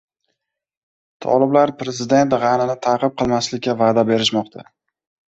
Toliblar prezident G‘anini ta’qib qilmaslikka va’da berishmoqda